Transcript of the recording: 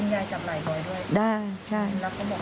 เห็นแล้วก็บอกว่าไหล่ออกกับเพื่อนแรง